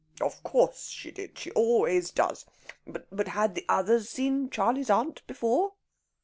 "Of course she did. She always does. But had the others seen 'Charley's Aunt' before?"